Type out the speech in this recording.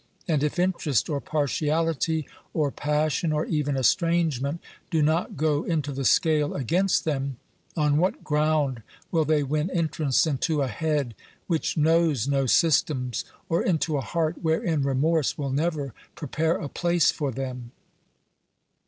And if interest, or partiality, or passion, or even estrangement, do not go into the scale against them, on what ground will they win entrance into a head which knows no systems, or into a heart wherein remorse will never prepare a place for them?